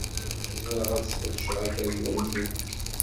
Zemreɣ ad ssqedceɣ akeryun-im?